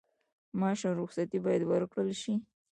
معاش او رخصتي باید ورکړل شي.